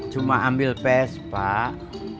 cuma ambil pes pak